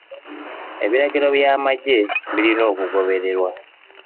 Ebiragiro by'amagye birina okugobererwa.